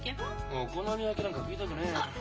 もうお好み焼きなんか食いたくねえよ。